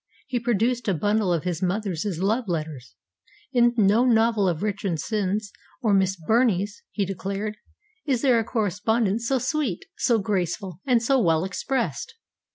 He produced a bundle of his mother's love letters. 'In no novel of Richardson's or Miss Burney's,' he declared, 'is there a correspondence so sweet, so graceful, and so well expressed.